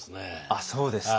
あっそうですか。